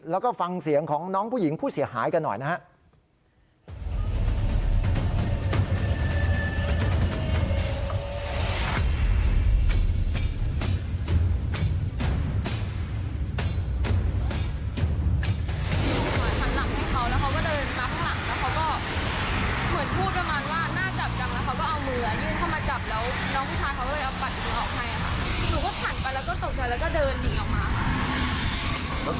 แล้วก็ฟังเสียงของน้องผู้หญิงผู้เสียหายกันหน่อยนะฮะ